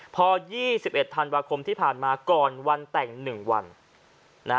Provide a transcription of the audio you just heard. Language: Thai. พอ๒๑ธันวาคมที่ผ่านมาก่อนวันแต่ง๑วัน